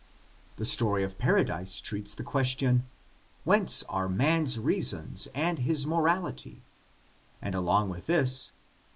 The story of Paradise treats the question. Whence are man's reason and his mortality? and along with this.